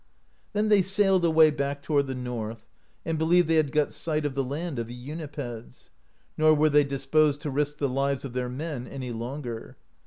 Then they sailed away back toward the north, and be lieved they had got sight of the land of the Unipeds; nor were they disposed to risk the lives of their men any longer.